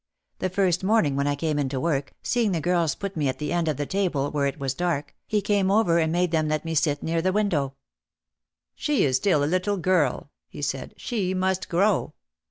The first morning when I came in to work, seeing the girls put me at the end of the table where it was dark, he came over and made them let me sit near the window. 128 OUT OF THE SHADOW "She is still a little girl," he said. "She must grow."